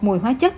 mùi hóa chất